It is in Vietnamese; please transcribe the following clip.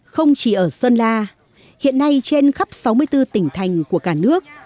không chỉ ở sơn la hiện nay trên khắp sáu mươi bốn tỉnh thành của cả nước